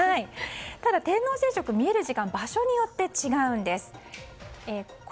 ただ、天王星食が見える時間場所によって違うんです。